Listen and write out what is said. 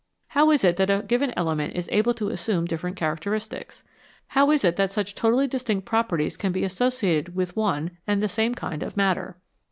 How is it that a given element is able to assume different characteristics ? How is it that such totally distinct properties can be associated with one and the same kind of matter